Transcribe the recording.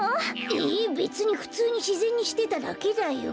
えべつにふつうにしぜんにしてただけだよ。